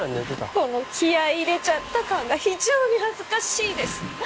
この気合い入れちゃった感が非常に恥ずかしいです